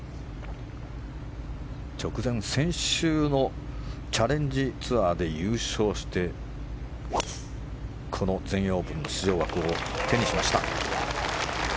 直前、先週のチャレンジツアーで優勝してこの全英オープンの出場枠を手にしました。